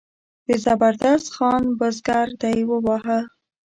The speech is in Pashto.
د زبردست خان بزګر دی وواهه.